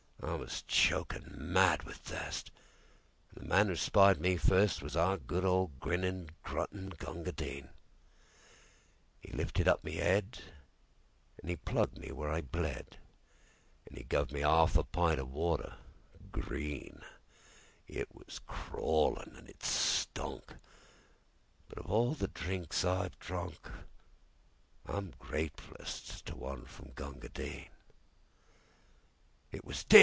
I was chokin' mad with thirst, An' the man that spied me firstWas our good old grinnin', gruntin' Gunga Din.'E lifted up my 'ead, An' 'e plugged me where I bled, An' 'e guv me 'arf a pint o' water—green; It was crawlin' an' it stunk, But of all the drinks I've drunk, I'm gratefullest to one from Gunga Din.It was "Din!